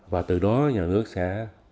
và từ đó nhà nước sẽ